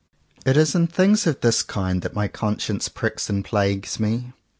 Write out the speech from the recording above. It is in things of this kind that my con science pricks and plagues me.